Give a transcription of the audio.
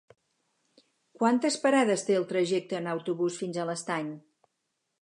Quantes parades té el trajecte en autobús fins a l'Estany?